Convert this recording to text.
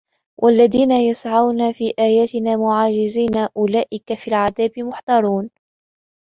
والذين يسعون في آياتنا معاجزين أولئك في العذاب محضرون